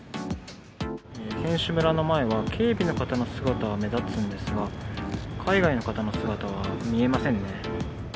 選手村の前は、警備の方の姿は目立つんですが、海外の方の姿は見えませんね。